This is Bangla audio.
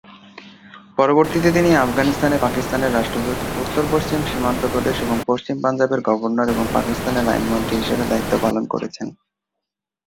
পরবর্তীতে তিনি আফগানিস্তানে পাকিস্তানের রাষ্ট্রদূত, উত্তর-পশ্চিম সীমান্ত প্রদেশ ও পশ্চিম পাঞ্জাবের গভর্নর এবং পাকিস্তানের আইনমন্ত্রী হিসেবে দায়িত্ব পালন করেছেন।